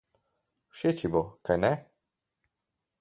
Všeč ji bo, kajne?